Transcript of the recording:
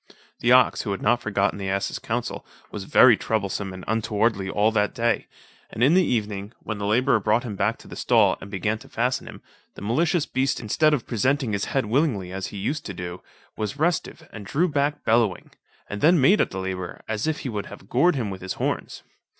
The ox, who had not forgotten the ass's counsel, was very troublesome and untowardly all that day, and in the evening, when the labourer brought him back to the stall, and began to fasten him, the malicious beast instead of presenting his head willingly as he used to do, was restive, and drew back bellowing; and then made at the labourer, as if he would have gored him with his horns.